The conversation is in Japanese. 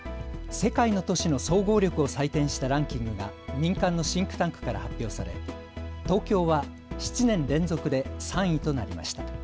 世界の都市の総合力を採点したランキングが民間のシンクタンクから発表され、東京は７年連続で３位となりました。